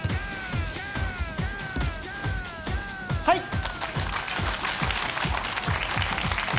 はい。